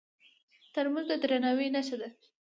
ترموز د درناوي نښه ده.